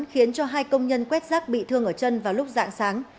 khiến cho hai công nhân quét rác bị thương ở chân vào lúc dạng sáng